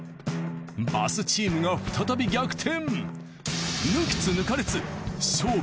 バスチームが再び逆転。